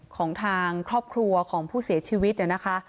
ของทางครอบครัวของผู้เสียชีวิตเนี่ยนะคะ